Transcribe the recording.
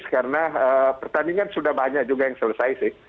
karena pertandingan sudah banyak juga yang selesai sih